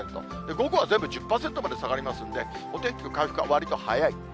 午後は全部１０％まで下がりますんで、お天気の回復はわりと早い。